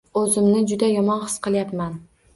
O’zimni juda yomon his qilayapman.